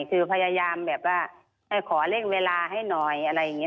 คือพยายามแบบว่าขอเร่งเวลาให้หน่อยอะไรอย่างนี้